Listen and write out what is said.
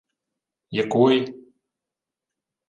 — Якої?